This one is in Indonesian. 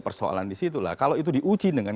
persoalan di situ lah kalau itu diuji dengan